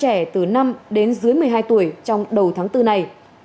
trẻ từ năm đến dưới một mươi hai tuổi trong đầu tháng bốn này